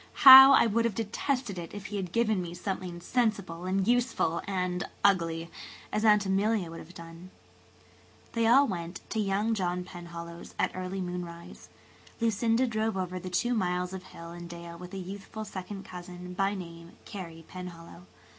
How I would have detested it if he had given me something sensible and useful and ugly–as Aunt Emilia would have done." They all went to "young" John Penhallow's at early moonrise. Lucinda drove over the two miles of hill and dale with a youthful second cousin, by name, Carey Penhallow.